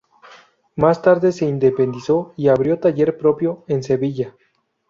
Más tarde se independizó y abrió taller propio en Sevilla.